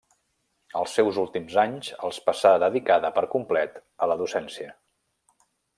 Els seus últims anys els passà dedicada per complet a la docència.